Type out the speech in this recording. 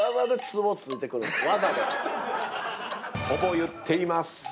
ほぼ言っています。